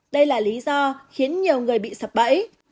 đây là lý do khiến nhiều người bị sập bẫy